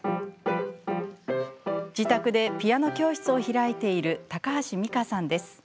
自宅で、ピアノ教室を開いている高橋美香さんです。